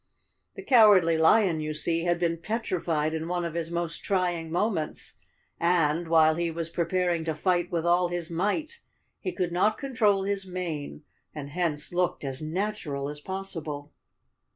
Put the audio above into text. The Cow¬ ardly Lion, you see, had been petrified in one of his most trying moments, and, while he was preparing to fight with all his might, he could not control his mane 278 Chapter Twenty One and hence looked as natural as possible.